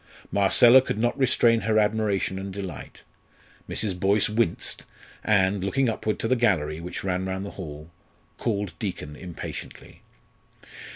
Marcella could not restrain her admiration and delight. Mrs. Boyce winced, and, looking upward to the gallery, which ran round the hall, called Deacon impatiently.